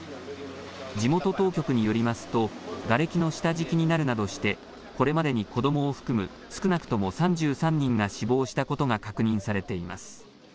地元当局によりますとがれきの下敷きになるなどしてこれまでに子どもを含む少なくとも３３人が死亡したことが確認されています。